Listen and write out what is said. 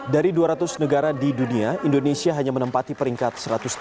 dari dua ratus negara di dunia indonesia hanya menempati peringkat satu ratus tiga puluh